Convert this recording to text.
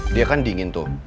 dia kan dingin tuh